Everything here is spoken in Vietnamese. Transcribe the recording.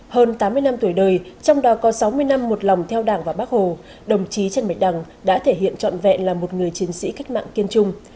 hơn tám mươi năm tuổi đời trong đó có sáu mươi năm một lòng theo đảng và bác hồ đồng chí trần bạch đằng đã thể hiện trọn vẹn là một người chiến sĩ cách mạng kiên trung